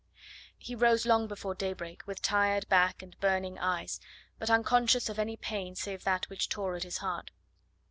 He rose long before daybreak, with tired back and burning eyes, but unconscious of any pain save that which tore at his heart.